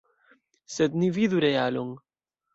Sed ni vidu realon.